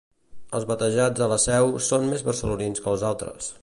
Els batejats a la Seu són més barcelonins que els altres.